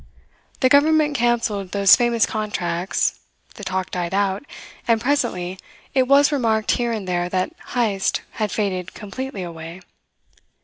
The Government cancelled those famous contracts, the talk died out, and presently it was remarked here and there that Heyst had faded completely away.